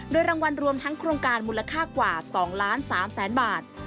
โดยรางวัลรวมทั้งโครงการมูลค่ากว่า๒๓๐๐๐๐๐บาท